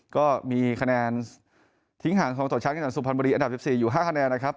ก็มีคะแนนทิ้งห่างทองต่อชั้นกันอย่างสุพรรณบุรีอันดับ๑๔อยู่๕คะแนนนะครับ